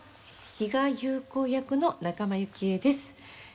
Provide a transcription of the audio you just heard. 比嘉優子役の仲間由紀恵です。